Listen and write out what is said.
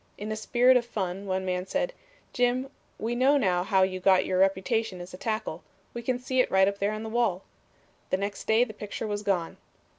In a spirit of fun one man said, 'Jim, we know now how you got your reputation as a tackle. We can see it right up there on the wall.' The next day the picture was gone.